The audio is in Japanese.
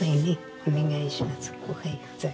お願いします。